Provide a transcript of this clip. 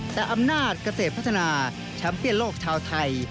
แต่อำนาจเกษตรพัฒนาแชมป์เปียนโลกชาวไทย